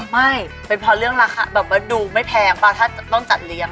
ไม่เป็นเพราะเรื่องราคาแบบว่าดูไม่แพงป่ะถ้าต้องจัดเลี้ยง